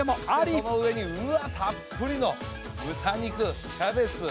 その上にうわたっぷりの豚肉キャベツ。